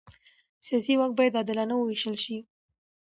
سیاسي واک باید عادلانه ووېشل شي